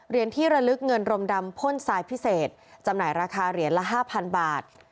ที่ระลึกเงินรมดำพ่นทรายพิเศษจำหน่ายราคาเหรียญละ๕๐๐บาท